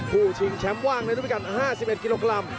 ชิงแชมป์ว่างในรูปพิการ๕๑กิโลกรัม